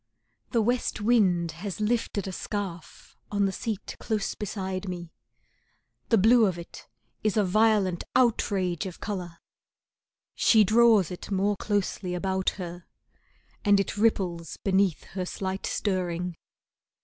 The west wind has lifted a scarf On the seat close beside me, the blue of it is a violent outrage of colour. She draws it more closely about her, and it ripples beneath her slight stirring.